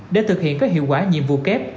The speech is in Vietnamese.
để thực hiện các hiệu quả nhiệm vụ kép